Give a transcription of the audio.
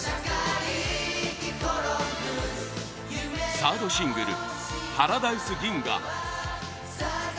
サードシングル「パラダイス銀河」